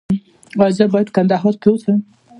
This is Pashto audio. ایا زه باید په کندهار کې اوسم؟